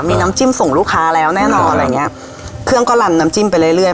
มีน้ำจิ้มส่งลูกค้าแล้วแน่นอนอะไรอย่างเงี้ยเครื่องก็ลันน้ำจิ้มไปเรื่อยเรื่อย